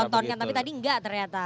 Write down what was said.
dipertontonkan tapi tadi tidak ternyata